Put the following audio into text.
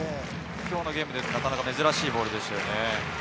今日のゲームでなかなか珍しいボールでしたよね。